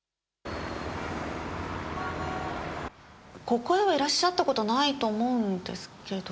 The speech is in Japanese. ここへはいらっしゃったことないと思うんですけど。